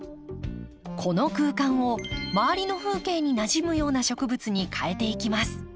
この空間を周りの風景になじむような植物にかえていきます。